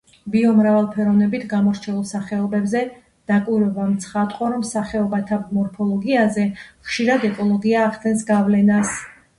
ბიომრავალფეროვნებით გამორჩეულ სახეობებზე დაკვირვებამ ცხადყო, რომ სახეობათა მორფოლოგიაზე ხშირად ეკოლოგია ახდენს გავლენას.